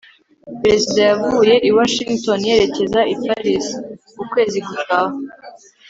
perezida yavuye i washington yerekeza i paris ukwezi gutaha